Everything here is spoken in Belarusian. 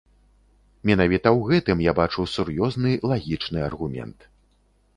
Менавіта ў гэтым я бачу сур'ёзны лагічны аргумент.